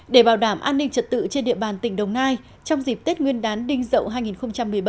để bảo đảm an ninh trật tự trên địa bàn tỉnh đồng nai trong dịp tết nguyên đán đinh dậu hai nghìn một mươi bảy